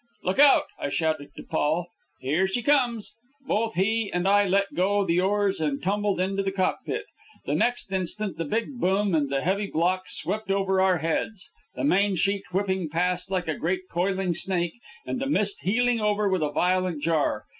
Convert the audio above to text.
"Look out!" I shouted to Paul. "Here she comes!" Both he and I let go the oars and tumbled into the cockpit. The next instant the big boom and the heavy blocks swept over our heads, the main sheet whipping past like a great coiling snake and the Mist heeling over with a violent jar.